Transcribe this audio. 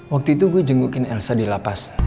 waktu itu gue jengukin elsa di lapas